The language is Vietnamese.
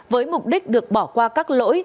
với mục đích được bỏ qua các lỗi